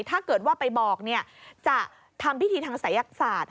ถ้าเกิดว่าไปบอกจะทำพิธีทางศัยศาสตร์